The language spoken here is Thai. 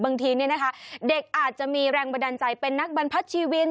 บางทีนี่นะคะเด็กอาจจะมีแรงบันดันใจเป็นนักบันพชิวิน